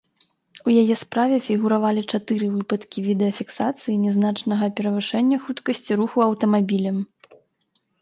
У яе справе фігуравалі чатыры выпадкі відэафіксацыі нязначнага перавышэння хуткасці руху аўтамабілем.